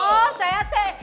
oh saya teh